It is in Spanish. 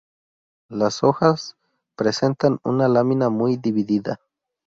Las hojas presentan una lámina muy dividida.